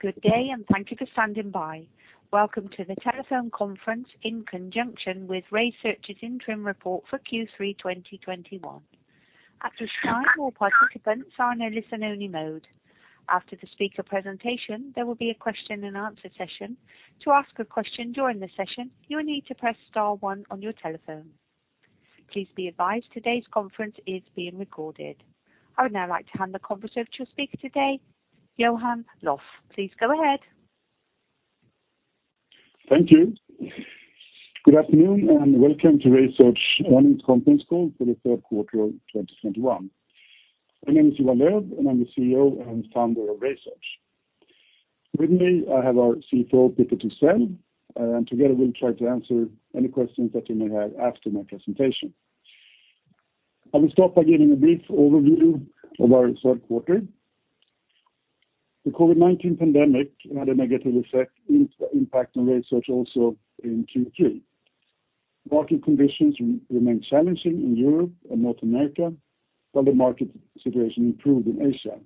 Good day, and thank you for standing by. Welcome to the telephone conference in conjunction with RaySearch's interim report for Q3 2021. At this time, all participants are in a listen-only mode. After the speaker presentation, there will be a question and answer session. To ask a question during the session, you will need to press star one on your telephone. Please be advised today's conference is being recorded. I would now like to hand the conference over to your speaker today, Johan Löf. Please go ahead. Thank you. Good afternoon, and welcome to RaySearch earnings conference call for the third quarter of 2022. My name is Johan Löf, and I'm the CEO and founder of RaySearch. With me, I have our CFO, Peter Thysell, and together we'll try to answer any questions that you may have after my presentation. I will start by giving a brief overview of our third quarter. The COVID-19 pandemic had a negative impact on RaySearch also in Q3. Market conditions remained challenging in Europe and North America, while the market situation improved in Asia.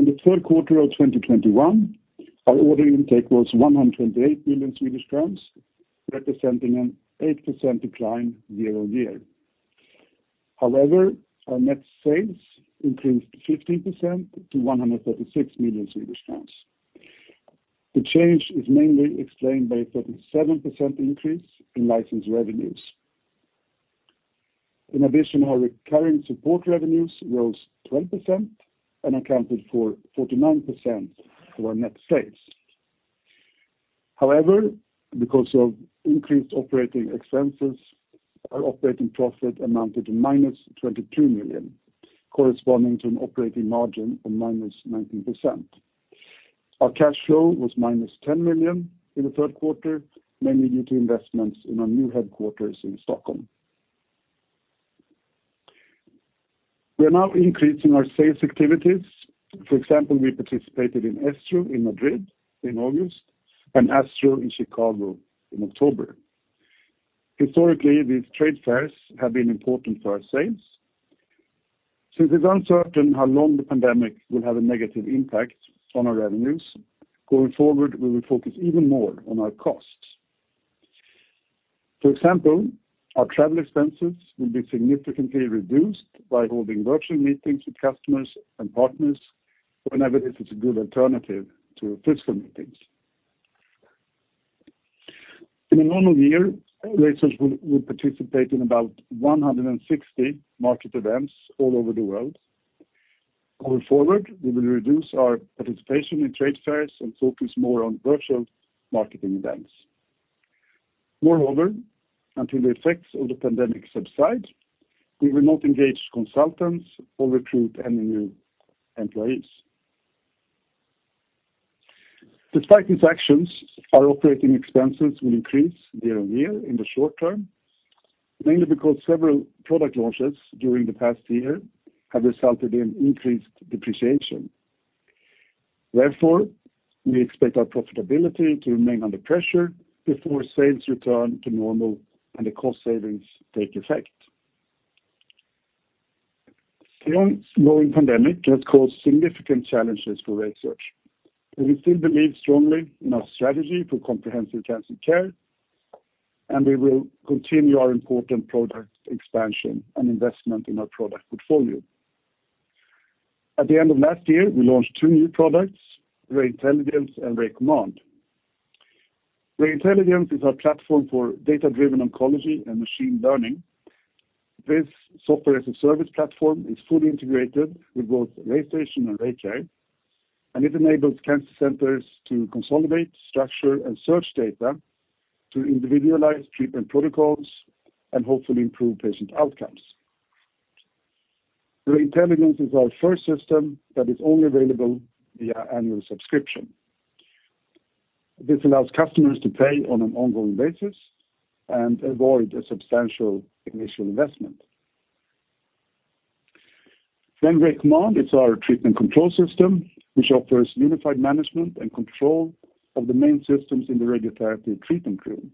In the third quarter of 2021, our order intake was 108 million Swedish crowns, representing an 8% decline year-on-year. However, our net sales increased 15% to SEK 136 million. The change is mainly explained by a 37% increase in license revenues. In addition, our recurring support revenues rose 20% and accounted for 49% of our net sales. However, because of increased operating expenses, our operating profit amounted to -22 million, corresponding to an operating margin of -19%. Our cash flow was -10 million in the third quarter, mainly due to investments in our new headquarters in Stockholm. We are now increasing our sales activities. For example, we participated in ESTRO in Madrid in August and ASTRO in Chicago in October. Historically, these trade fairs have been important for our sales. Since it's uncertain how long the pandemic will have a negative impact on our revenues, going forward, we will focus even more on our costs. For example, our travel expenses will be significantly reduced by holding virtual meetings with customers and partners whenever this is a good alternative to physical meetings. In a normal year, RaySearch will participate in about 160 market events all over the world. Going forward, we will reduce our participation in trade fairs and focus more on virtual marketing events. Moreover, until the effects of the pandemic subside, we will not engage consultants or recruit any new employees. Despite these actions, our operating expenses will increase year-over-year in the short term, mainly because several product launches during the past year have resulted in increased depreciation. Therefore, we expect our profitability to remain under pressure before sales return to normal and the cost savings take effect. Still, the pandemic has caused significant challenges for RaySearch, but we still believe strongly in our strategy for comprehensive cancer care, and we will continue our important product expansion and investment in our product portfolio. At the end of last year, we launched two new products, RayIntelligence and RayCommand. RayIntelligence is our platform for data-driven oncology and machine learning. This software as a service platform is fully integrated with both RayStation and RayCare, and it enables cancer centers to consolidate, structure, and search data to individualize treatment protocols and hopefully improve patient outcomes. RayIntelligence is our first system that is only available via annual subscription. This allows customers to pay on an ongoing basis and avoid a substantial initial investment. RayCommand is our treatment control system, which offers unified management and control of the main systems in the radiotherapy treatment room,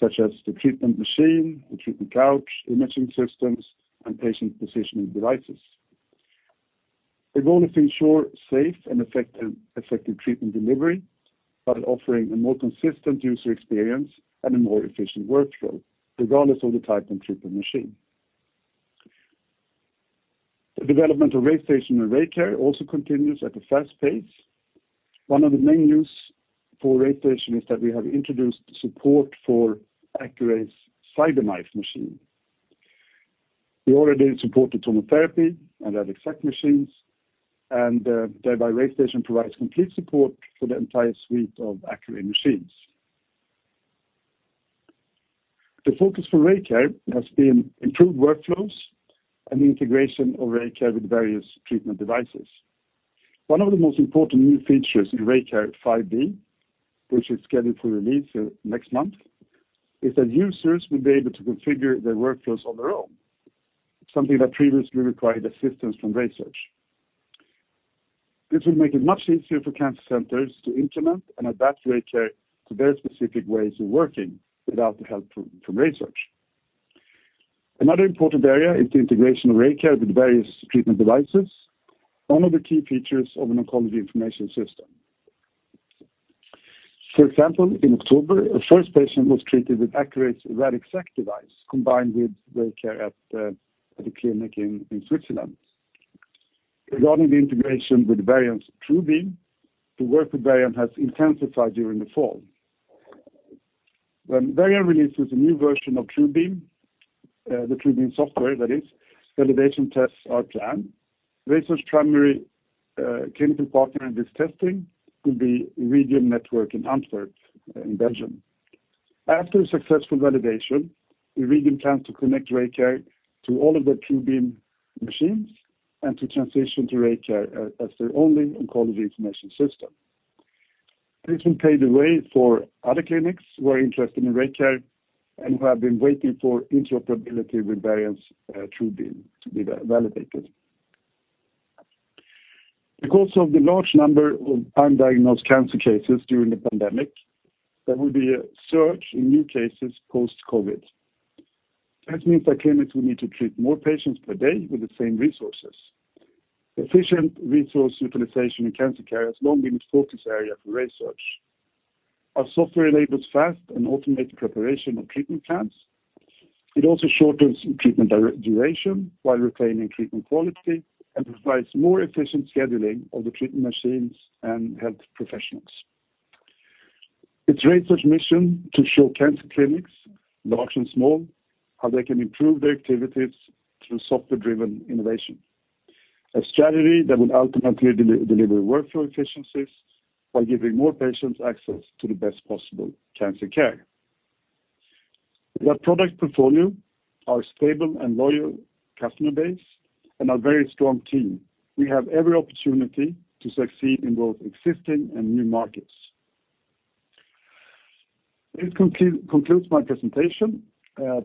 such as the treatment machine, the treatment couch, imaging systems, and patient positioning devices. The goal is to ensure safe and effective treatment delivery by offering a more consistent user experience and a more efficient workflow, regardless of the type of treatment machine. The development of RayStation and RayCare also continues at a fast pace. One of the main uses for RayStation is that we have introduced support for Accuray's CyberKnife machine. We already support the TomoTherapy and Radixact machines, and thereby RayStation provides complete support for the entire suite of Accuray machines. The focus for RayCare has been improved workflows and the integration of RayCare with various treatment devices. One of the most important new features in RayCare 5B, which is scheduled to release next month, is that users will be able to configure their workflows on their own, something that previously required assistance from RaySearch. This will make it much easier for cancer centers to implement and adapt RayCare to their specific ways of working without the help from RaySearch. Another important area is the integration of RayCare with various treatment devices, one of the key features of an oncology information system. For example, in October, the first patient was treated with Accuray's Radixact device combined with RayCare at the clinic in Switzerland. Regarding the integration with Varian's TrueBeam, the work with Varian has intensified during the fall. When Varian releases a new version of TrueBeam, validation tests are planned. RaySearch primary clinical partner in this testing will be Iridium Netwerk in Antwerp in Belgium. After a successful validation, Iridium Netwerk plans to connect RayCare to all of their TrueBeam machines and to transition to RayCare as their only oncology information system. This will pave the way for other clinics who are interested in RayCare and who have been waiting for interoperability with Varian's TrueBeam to be validated. Because of the large number of undiagnosed cancer cases during the pandemic, there will be a surge in new cases post-COVID. That means that clinics will need to treat more patients per day with the same resources. Efficient resource utilization in cancer care has long been a focus area for RaySearch. Our software enables fast and automated preparation of treatment plans. It also shortens treatment duration while retaining treatment quality and provides more efficient scheduling of the treatment machines and health professionals. It's RaySearch mission to show cancer clinics, large and small, how they can improve their activities through software-driven innovation, a strategy that will ultimately deliver workflow efficiencies while giving more patients access to the best possible cancer care. With our product portfolio, our stable and loyal customer base, and our very strong team, we have every opportunity to succeed in both existing and new markets. This concludes my presentation.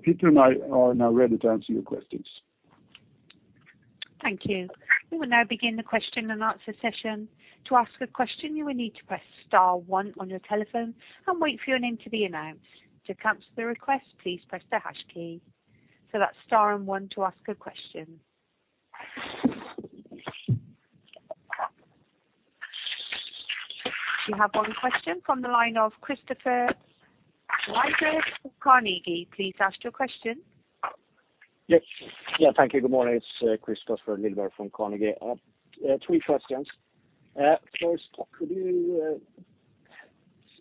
Peter and I are now ready to answer your questions. Thank you. We will now begin the question and answer session. To ask a question, you will need to press star one on your telephone and wait for your name to be announced. To cancel the request, please press the hash key. That's star and one to ask a question. You have one question from the line of Kristofer Liljeberg from Carnegie. Please ask your question. Yes. Yeah, thank you. Good morning. It's Kristofer Liljeberg from Carnegie. Three questions. First, could you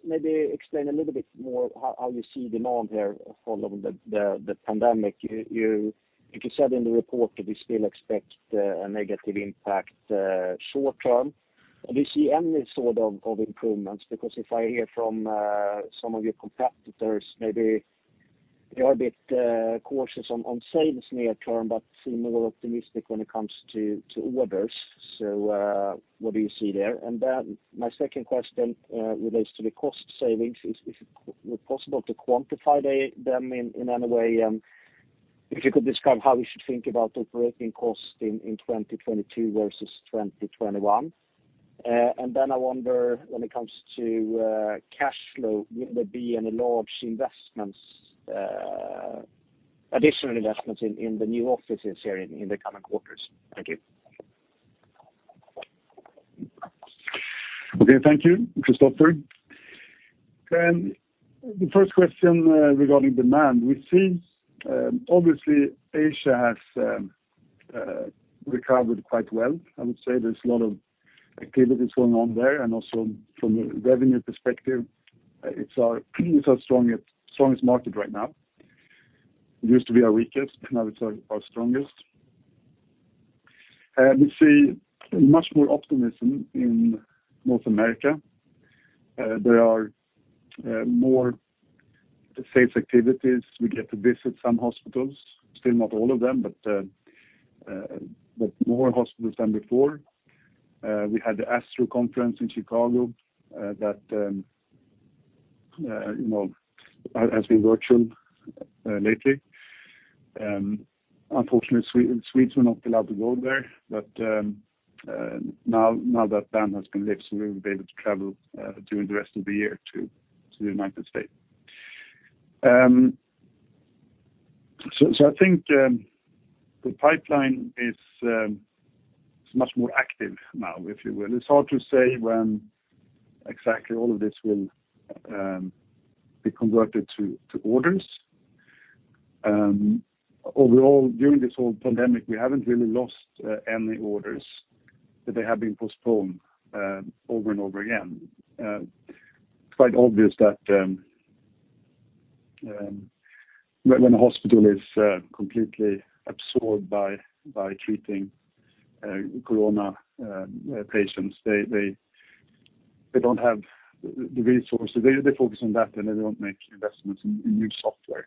maybe explain a little bit more how you see demand here following the pandemic? You said in the report that you still expect a negative impact short term. Do you see any sort of improvements? Because if I hear from some of your competitors, maybe they are a bit cautious on sales near term, but seem more optimistic when it comes to orders. What do you see there? My second question relates to the cost savings. Is it possible to quantify them in any way? If you could describe how we should think about operating costs in 2022 versus 2021. I wonder when it comes to cash flow, will there be any large investments, additional investments in the new offices here, in the coming quarters? Thank you. Okay. Thank you, Kristofer. The first question regarding demand. We see obviously Asia has recovered quite well. I would say there's a lot of activities going on there, and also from a revenue perspective, it's our strongest market right now. It used to be our weakest, now it's our strongest. We see much more optimism in North America. There are more sales activities. We get to visit some hospitals, still not all of them, but more hospitals than before. We had the ASTRO conference in Chicago that you know has been virtual lately. Unfortunately, Swedes were not allowed to go there. Now that ban has been lifted, so we will be able to travel during the rest of the year to the United States. I think the pipeline is much more active now, if you will. It's hard to say when exactly all of this will be converted to orders. Overall, during this whole pandemic, we haven't really lost any orders, but they have been postponed over and over again. It's quite obvious that when a hospital is completely absorbed by treating corona patients, they don't have the resources. They focus on that, and they don't make investments in new software.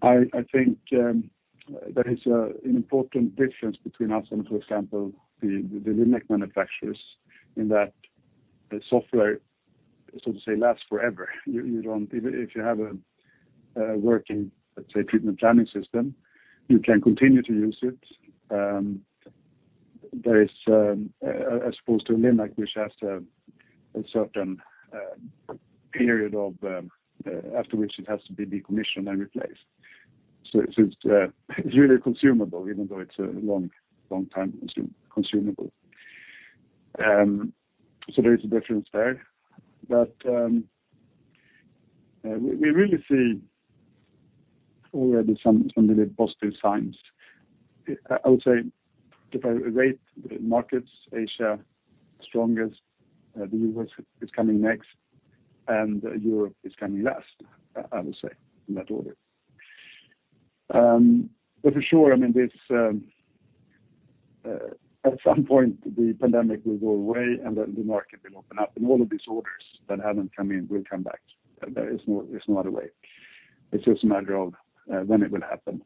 I think there is an important difference between us and, for example, the linac manufacturers in that the software, so to say, lasts forever. If you have a working, let's say, treatment planning system, you can continue to use it. There is, as opposed to a linac which has a certain period after which it has to be decommissioned and replaced. It is really consumable, even though it's a long time consumable. There is a difference there. We really see already some really positive signs. I would say if I rate the markets, Asia strongest, the U.S. is coming next, and Europe is coming last, I would say in that order. For sure, I mean, this at some point the pandemic will go away, and then the market will open up, and all of these orders that haven't come in will come back. There's no other way. It's just a matter of when it will happen.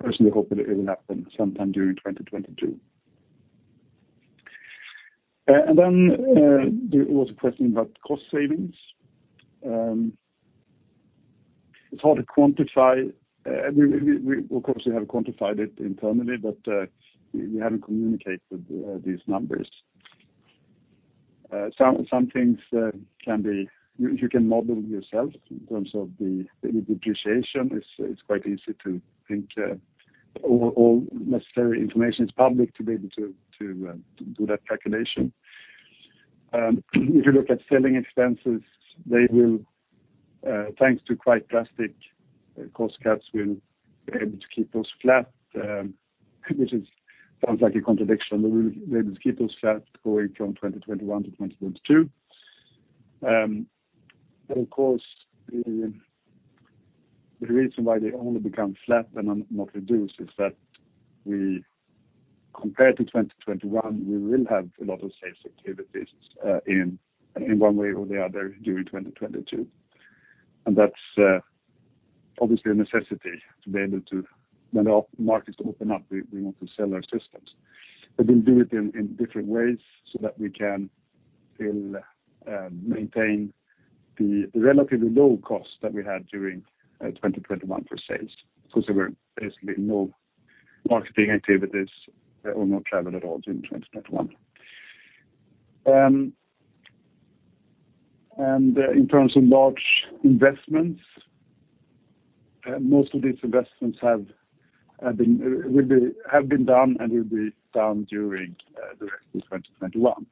I personally hope that it will happen sometime during 2022. There was a question about cost savings. It's hard to quantify. We of course have quantified it internally, but we haven't communicated these numbers. Some things can be, you can model yourself in terms of the depreciation. It's quite easy to think all necessary information is public to be able to do that calculation. If you look at selling expenses, they will, thanks to quite drastic cost cuts, we'll be able to keep those flat, which is, sounds like a contradiction. We will be able to keep those flat going from 2021 to 2022. But of course the reason why they only become flat and not reduced is that we compared to 2021 we will have a lot of sales activities, in one way or the other during 2022. That's obviously a necessity to be able to, when our markets open up, we want to sell our systems. We'll do it in different ways so that we can still maintain the relatively low costs that we had during 2021 for sales because there were basically no marketing activities or no travel at all during 2021. In terms of large investments, most of these investments have been done and will be done during the rest of 2021.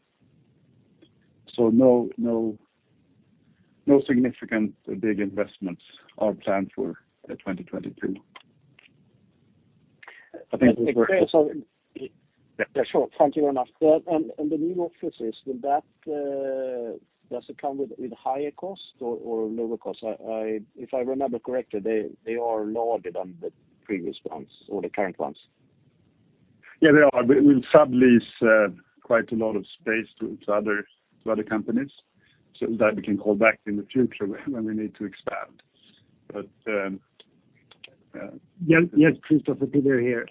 No significant big investments are planned for 2022. I think. Yeah, sure. Thank you very much. The new offices, does it come with higher cost or lower cost? If I remember correctly, they are lower than the previous ones or the current ones. Yeah, they are. We'll sublease quite a lot of space to other companies so that we can call back in the future when we need to expand. Yes, Kristofer, it's Peter here.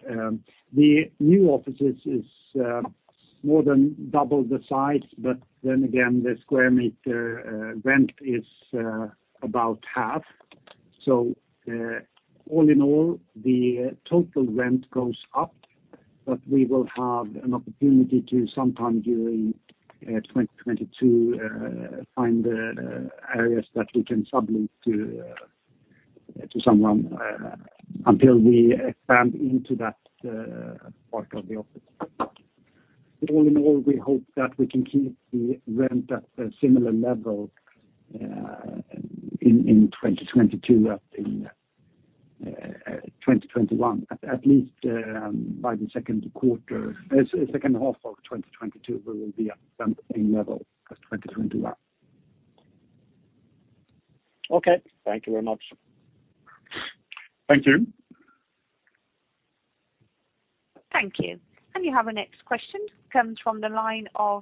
The new offices is more than double the size, but then again the square meter rent is about half. So, all in all, the total rent goes up, but we will have an opportunity to sometime during 2022 find the areas that we can sublet to someone until we expand into that part of the office. All in all, we hope that we can keep the rent at a similar level in 2022 as in 2021. At least, by the second quarter, second half of 2022, we will be at the same level as 2021. Okay. Thank you very much. Thank you. Thank you. You have a next question, comes from the line of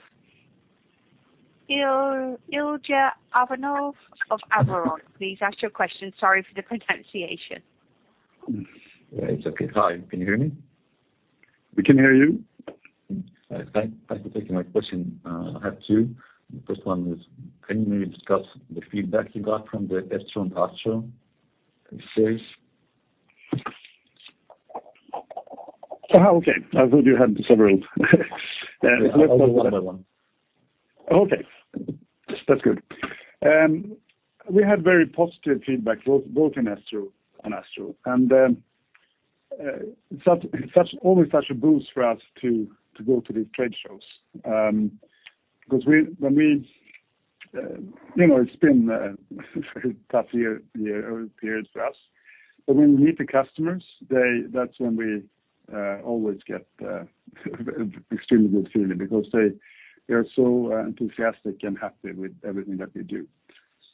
Ilja Ivanov of Avaron. Please ask your question. Sorry for the pronunciation. It's okay. Hi. Can you hear me? We can hear you. Thanks for taking my question. I have two. The first one is, can you maybe discuss the feedback you got from the ESTRO and ASTRO this year? Okay. I thought you had several. Just one other one. Okay. That's good. We had very positive feedback both in ESTRO and ASTRO. It's always such a boost for us to go to these trade shows because you know, it's been a tough year or period for us. When we meet the customers, that's when we always get extremely good feeling because they are so enthusiastic and happy with everything that we do.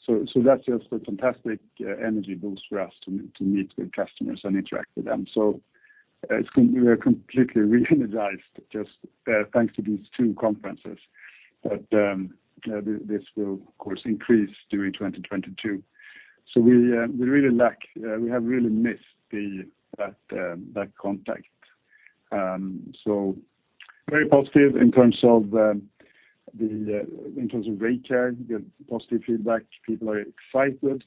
That's just a fantastic energy boost for us to meet with customers and interact with them. We are completely re-energized just thanks to these two conferences. This will of course increase during 2022. We have really missed that contact. Very positive in terms of RayCare, we get positive feedback. People are excited.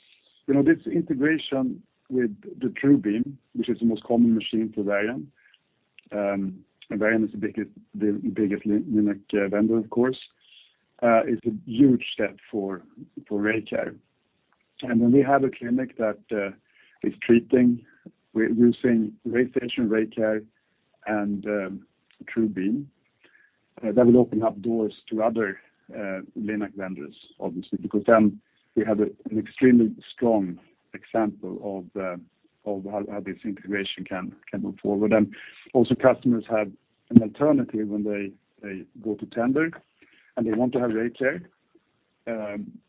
You know, this integration with the TrueBeam, which is the most common machine for Varian, and Varian is the biggest linac vendor, of course, is a huge step for RayCare. When we have a clinic that is treating using RayCare and TrueBeam, that will open up doors to other linac vendors, obviously, because then we have an extremely strong example of how this integration can move forward. Also customers have an alternative when they go to tender and they want to have RayCare,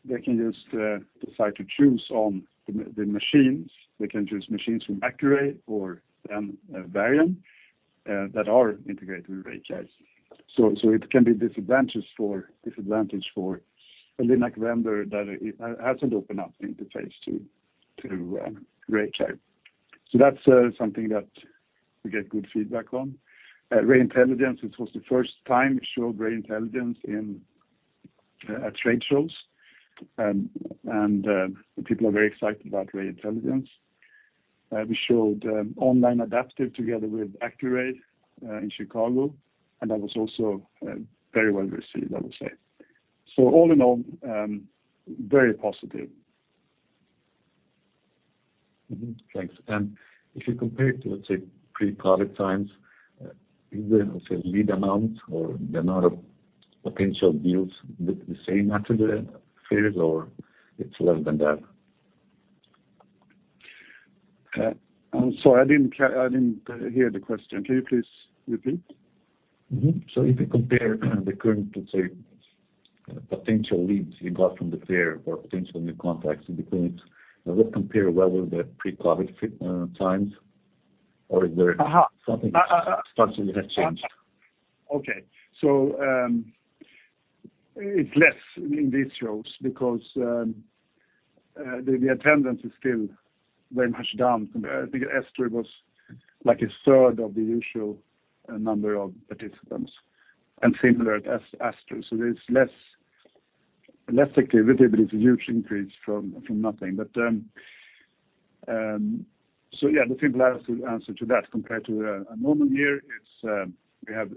they can just decide to choose on the machines. They can choose machines from Accuray or Varian that are integrated with RayCare. It can be disadvantageous for a linac vendor that hasn't opened up interface to RayCare. That's something that we get good feedback on. RayIntelligence, this was the first time we showed RayIntelligence at trade shows. The people are very excited about RayIntelligence. We showed online adaptive together with Accuray in Chicago, and that was also very well received, I would say. All in all, very positive. Thanks. If you compare it to, let's say, pre-COVID times, is the, let's say, lead amount or the amount of potential deals the same at the fairs or it's less than that? I'm sorry, I didn't hear the question. Can you please repeat? If you compare the current, let's say, potential leads you got from the fair or potential new contacts in the clinics, would that compare well with the pre-COVID times, or is there- Something structurally has changed? Okay. It's less in these shows because the attendance is still very much down. I think ESTRO was like a third of the usual number of participants and similar at ASTRO. There's less activity, but it's a huge increase from nothing. Yeah, the simple answer to that, compared to a normal year,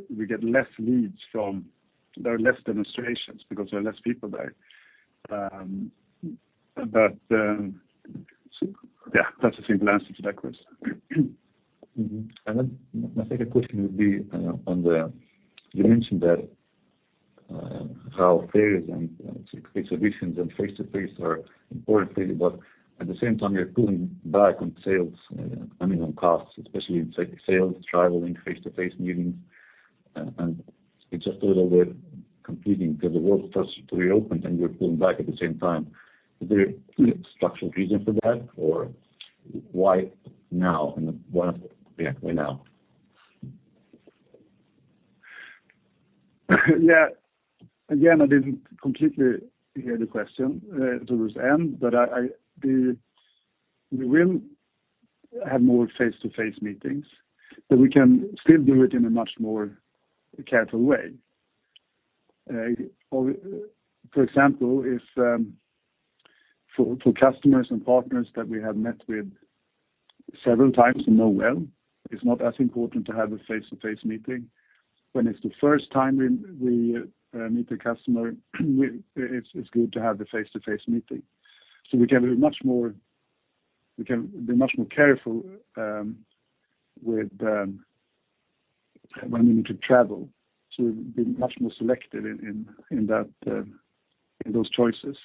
we get less leads from. There are less demonstrations because there are less people there. Yeah, that's the simple answer to that question. My second question would be, you mentioned that how fairs and let's say exhibitions and face-to-face are important for you, but at the same time, you're pulling back on sales, I mean, on costs, especially in sales, traveling, face-to-face meetings. It's just a little bit conflicting because the world starts to reopen, and you're pulling back at the same time. Is there a structural reason for that, or why now? Why now? Yeah. Again, I didn't completely hear the question towards the end, but we will have more face-to-face meetings, but we can still do it in a much more careful way. For example, for customers and partners that we have met with several times and know well, it's not as important to have a face-to-face meeting. When it's the first time we meet the customer, it's good to have a face-to-face meeting. We can be much more careful with when we need to travel to be much more selective in those choices.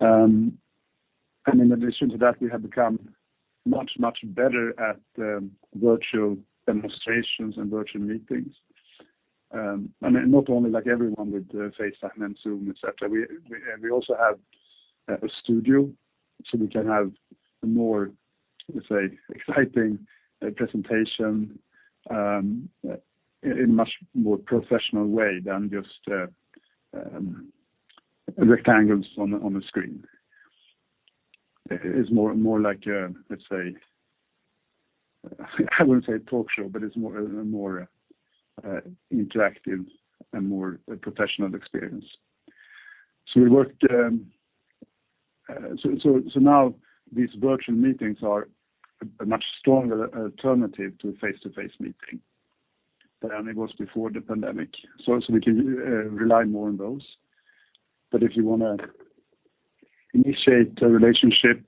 In addition to that, we have become much better at virtual demonstrations and virtual meetings. Not only like everyone with FaceTime and Zoom, et cetera. We also have a studio, so we can have a more, let's say, exciting presentation in a much more professional way than just rectangles on a screen. It is more like a, let's say, I wouldn't say a talk show, but it's more interactive and more a professional experience. Now these virtual meetings are a much stronger alternative to a face-to-face meeting than it was before the pandemic. We can rely more on those. If you wanna initiate a relationship,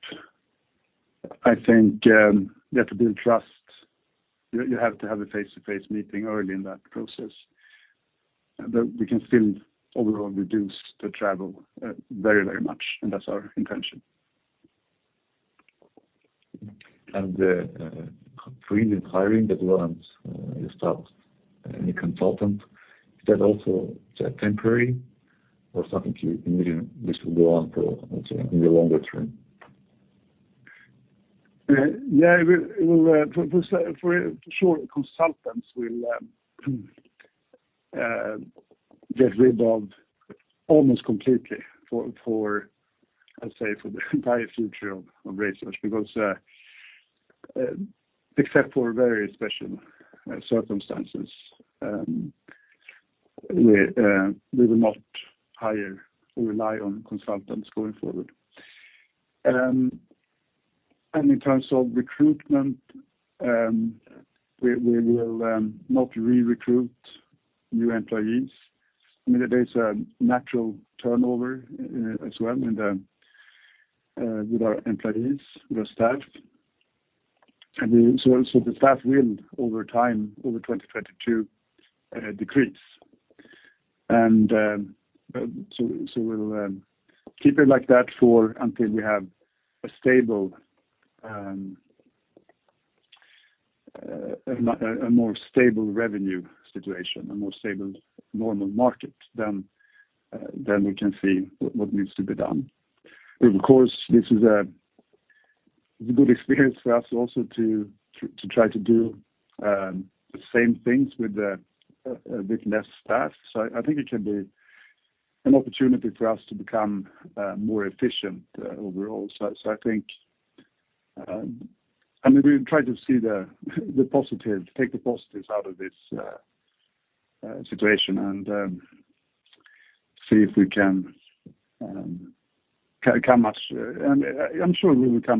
I think you have to build trust. You have to have a face-to-face meeting early in that process. We can still overall reduce the travel very much, and that's our intention. The freezing of hiring plans, you stopped any consultants. Is that also temporary or something you think this will go on for, let's say, in the longer term? Yeah, it will for sure get rid of consultants almost completely for the entire future of RaySearch because except for very special circumstances, we will not hire or rely on consultants going forward. In terms of recruitment, we will not recruit new employees. I mean, there is a natural turnover as well with our employees, with our staff. The staff will over time, over 2022, decrease. We'll keep it like that until we have a stable, a more stable revenue situation, a more stable normal market, then we can see what needs to be done. Of course, this is a good experience for us also to try to do the same things with a bit less staff. I think it can be an opportunity for us to become more efficient overall. I mean, we try to see the positive, take the positives out of this situation and see if we can come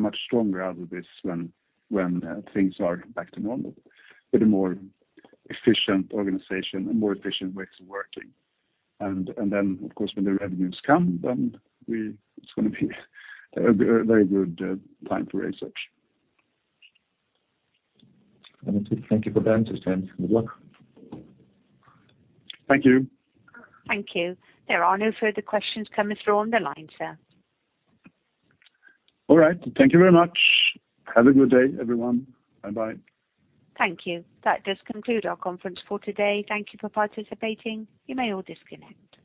much stronger out of this when things are back to normal with a more efficient organization and more efficient ways of working. Then, of course, when the revenues come, it's going to be a very good time for RaySearch. Thank you for that. I understand. Good luck. Thank you. Thank you. There are no further questions coming through on the line, sir. All right. Thank you very much. Have a good day, everyone. Bye-bye. Thank you. That does conclude our conference for today. Thank you for participating. You may all disconnect.